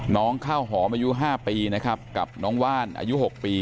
น้องข้าวหอมอายุ๕ปีนะครับกับน้องว่านอายุ๖ปี